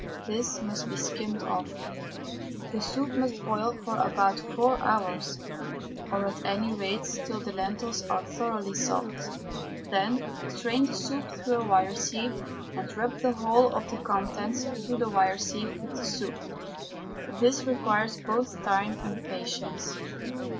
This must be skimmed off. The soup must boil for about four hours, or at any rate till the lentils are thoroughly soft. Then strain the soup through a wire sieve, and rub the whole of the contents through the wire sieve with the soup. This requires both time and patience.